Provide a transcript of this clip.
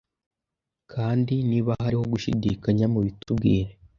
Kandi niba harimo gushidikanya mubitubwire